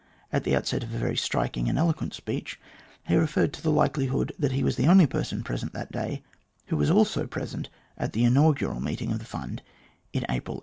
At the outset of a very striking and eloquent speech, he referred to the likelihood that he was the only person present that day who was also present at the inaugural meeting of the Fund in April, 1841.